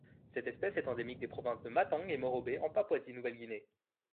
Cette espèce est endémique des provinces de Madang et Morobe en Papouasie-Nouvelle-Guinée.